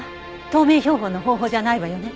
透明標本の方法じゃないわよね？